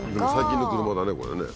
でも最近の車だねこれね。